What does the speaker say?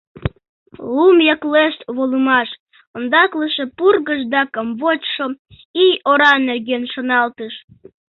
Лум яклешт волымаш, ондаклыше пургыж да камвочшо ий ора нерген шоналтыш.